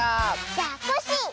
じゃあコッシー！